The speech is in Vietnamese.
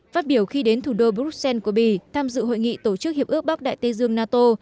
phát biểu khi đến thủ đô bruxelles của bỉ tham dự hội nghị tổ chức hiệp ước bắc đại tây dương nato